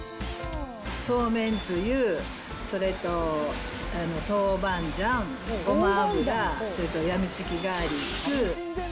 そうめんつゆ、それと豆板醤、ごま油、それとやみつきガーリック。